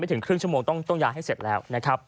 ไม่ถึงครึ่งชั่วโมงต้องยายให้เสร็จแล้ว